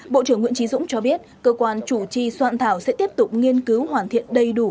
bộ trưởng nguyễn trí dũng cho biết cơ quan chủ trì soạn thảo sẽ tiếp tục nghiên cứu hoàn thiện đầy đủ